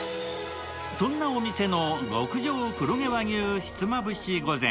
そんなお店の極上黒毛和牛ひつまぶし御膳。